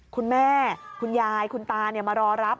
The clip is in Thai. คุณยายคุณยายคุณตามารอรับ